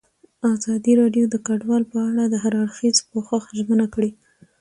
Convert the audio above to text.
ازادي راډیو د کډوال په اړه د هر اړخیز پوښښ ژمنه کړې.